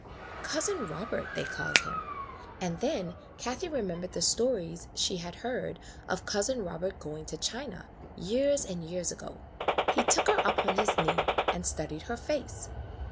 Cousin Robert they called him ; and then Kathie remembered the stories she had heard of Cousin Robert going to China years and years ago. He took her up on his knee and studied her face.